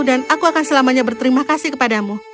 dan aku akan selamanya berterima kasih kepadamu